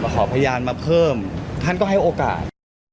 ขอพยานมาเพิ่มท่านก็ให้โอกาส